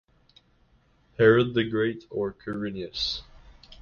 Herod the Great or Quirinius.